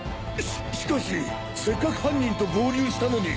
ししかしせっかく犯人と合流したのに。